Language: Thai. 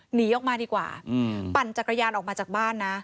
หนีออกมาดีกว่าปั่นจักรยานออกมาจากบ้านนะ